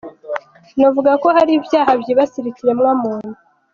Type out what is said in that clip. "Novuga ko hari ivyaha vyibasira kiremwa muntu.